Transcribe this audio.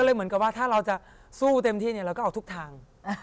เหมือนกับว่าถ้าเราจะสู้เต็มที่เราก็เอาทุกทาง